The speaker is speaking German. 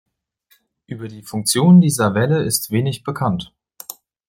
Über die Funktion dieser Wälle ist wenig bekannt.